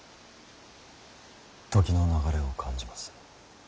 時の流れを感じます。